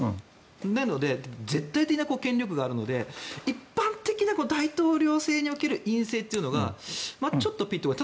なので、絶対的な権力があるので一般的な大統領制における院政というのがちょっとピンと来ない。